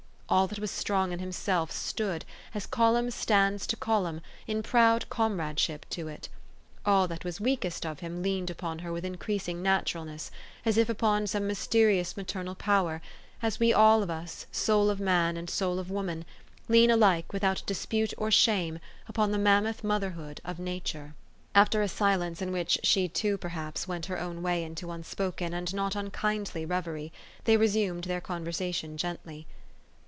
All that was strong in himself stood, as column stands to column, in proud comradeship to it. All that was weakest of him leaned upon her with increasing naturalness, as if upon some mysterious maternal power, as we all of us, soul of man and soul of woman, lean alike without dispute or shame, upon the mammoth motherhood of Nature. After a silence in which she too, perhaps, went her own way into unspoken and not unkindly revery, they resumed their conversation gently.